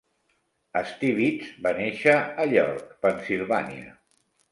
Stibitz va néixer a York, Pennsilvània.